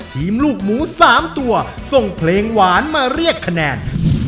ลูกหมู๓ตัวส่งเพลงหวานมาเรียกคะแนน